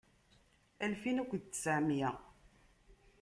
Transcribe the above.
Alfin akked tteɛmiyya.